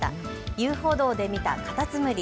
遊歩道で見たカタツムリ。